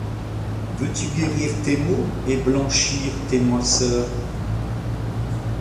Veux-tu guérir tes maux et blanchir tes noirceurs ?